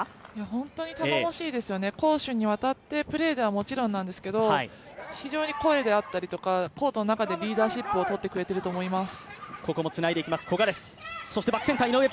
本当に頼もしいですよね、攻守にわたってプレーではもちろんなんですけど非常に声であったりとか、コートの中でリーダーシップを取ってくれるていると思います。